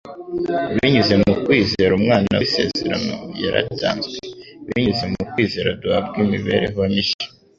Binyuze mu kwizera umwana w'isezerano yaratanzwe. Binyuze mu kwizera duhabwa imibereho mishya